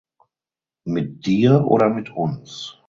Mit Dir oder mit uns?